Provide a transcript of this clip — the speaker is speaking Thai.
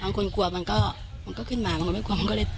บางคนกลัวมันก็ขึ้นมาบางคนไม่กลัวมันก็เรียกต่อ